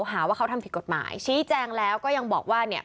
หาว่าเขาทำผิดกฎหมายชี้แจงแล้วก็ยังบอกว่าเนี่ย